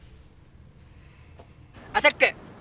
アタック！